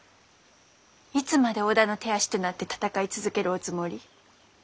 いつまで織田の手足となって戦い続けるおつもり？